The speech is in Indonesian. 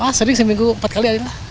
sering seminggu empat kali